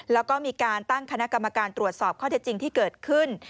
แล้วก็มีการตั้งคณะกรรมการตรวจสอบข้อเท็จจริงที่เกิดขึ้น